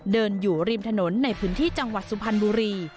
เดินอยู่ริมถนนในพื้นที่จังหวัดสุพรรณบุรี